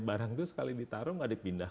barang itu sekali ditaruh nggak dipindah